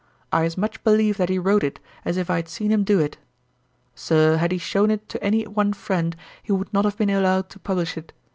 I as much believe that he wrote it, as if I had seen him do it. Sir, had he shewn it to any one friend, he would not have been allowed to publish it.